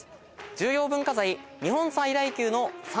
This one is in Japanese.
重要文化財日本最大級の三重塔。